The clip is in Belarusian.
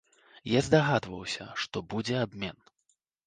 Я здагадваўся, што будзе абмен.